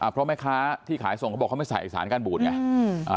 เพราะแม่ค้าที่ขายส่งเขาบอกเขาไม่ใส่ไอ้สารการบูดไง